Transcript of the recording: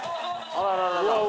あららら。